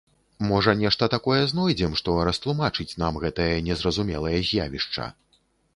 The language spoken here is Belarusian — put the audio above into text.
Можа, нешта такое знойдзем, што растлумачыць нам гэтае незразумелае з'явішча.